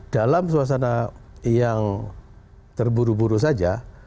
dalam suasana yang terburu buru saja